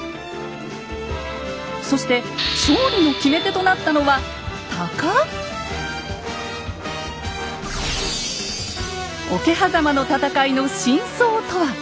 そして勝利の決め手となったのは桶狭間の戦いの真相とは。